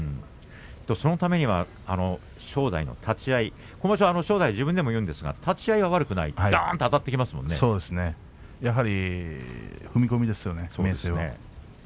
そのためには正代の立ち合い正代、自分でも言っていますが立ち合いは悪くない踏み込みですよね明生は。